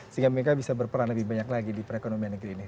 sehingga mereka bisa berperan lebih banyak lagi di perekonomian negeri ini